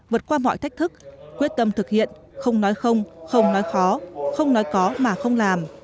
vượt qua mọi thách thức quyết tâm thực hiện không nói không không nói khó không nói có mà không làm